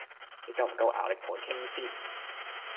你夠唔夠牙力同佢傾先？